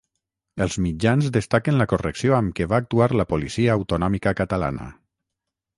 Els mitjans destaquen la correcció amb què va actuar la policia autonòmica catalana.